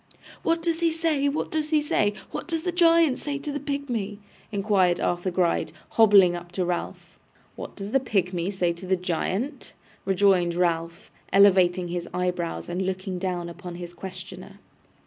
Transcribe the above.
'What does he say, what does he say? What does the giant say to the pigmy?' inquired Arthur Gride, hobbling up to Ralph. 'What does the pigmy say to the giant?' rejoined Ralph, elevating his eyebrows and looking down upon his questioner.